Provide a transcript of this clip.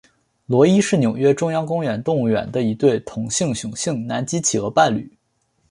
罗伊是纽约中央公园动物园的一对同性雄性南极企鹅伴侣。